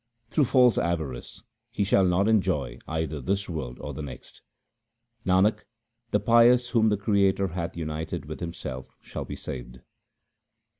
Through false avarice he shall not enjoy either this world or the next. Nanak, the pious whom the Creator hath united with Himself shall be saved.